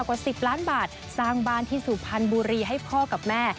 กว่า๑๐ล้านบาทสร้างบ้านที่สุพรรณบุรีให้พ่อกับแม่